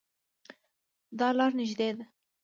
دا لار نږدې ده